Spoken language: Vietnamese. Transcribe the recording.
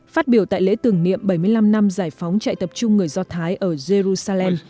phát biểu tại lễ tưởng niệm bảy mươi năm năm giải phóng chạy tập trung người do thái ở jerusalem